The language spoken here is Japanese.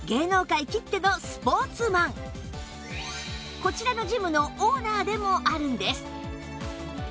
こちらのジムのオーナーでもあるんです